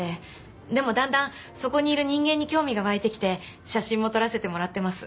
でもだんだんそこにいる人間に興味がわいてきて写真も撮らせてもらってます。